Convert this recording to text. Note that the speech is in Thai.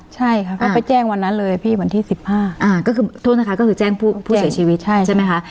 ใช่ค่ะก็ไปแจ้งวันนั้นเลยพี่วันที่๑๕ก็คือโทษนะคะก็คือแจ้งผู้เสียชีวิตใช่ไหมคะ